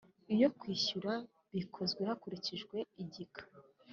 Iyo kwishyura bikozwe hakurikijwe igika